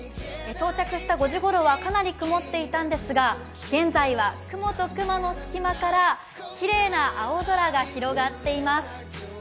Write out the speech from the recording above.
到着した５時ごろはかなり曇っていたんですが現在は雲と雲の隙間からきれいな青空が広がっています。